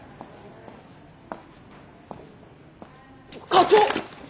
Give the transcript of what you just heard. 課長！